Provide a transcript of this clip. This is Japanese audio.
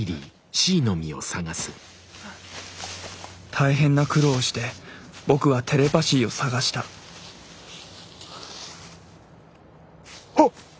大変な苦労をして僕はテレパ椎を捜したあっ！